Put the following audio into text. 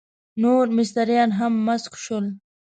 نور مستریان هم مسک شول.